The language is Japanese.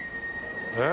えっ？